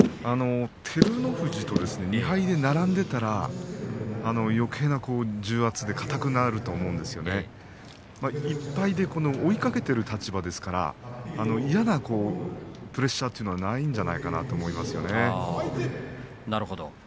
照ノ富士と２敗で並んでいたらよけいな重圧で硬くなると思うんですが１敗で追いかけている立場ですからプレッシャーというのはないんじゃないかと思います。